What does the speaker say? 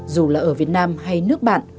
dù là ở việt nam hay nước bạn